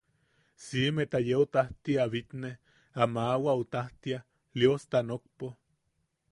Siʼimeta yeu tajti a bitne a maʼawaʼu tajti, Liosta nokpo.